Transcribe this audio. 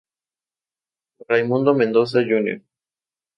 Raymundo Mendoza Jr.